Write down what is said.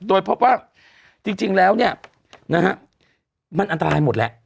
โดยพบว่าจริงแล้วเนี่ยนะฮะมันอันตรายหมดแหละ